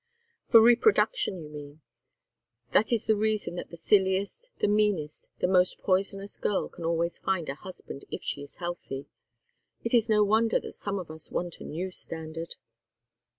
"For reproduction, you mean. That is the reason that the silliest, the meanest, the most poisonous girl can always find a husband if she is healthy. It is no wonder that some of us want a new standard."